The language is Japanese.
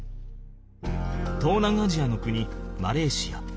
東南アジアの国マレーシア。